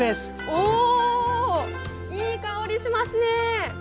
おー、いい香りしますね。